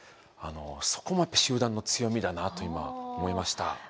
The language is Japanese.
そこも集団の強みだなと今思いました。